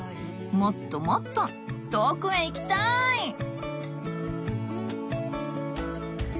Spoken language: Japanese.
もっともっと遠くへ行きたい！